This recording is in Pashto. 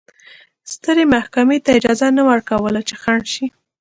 سترې محکمې ته اجازه نه ورکوله چې خنډ شي.